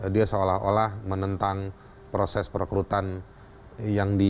dia seolah olah menentang proses perekrutan yang di